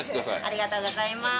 ありがとうございます。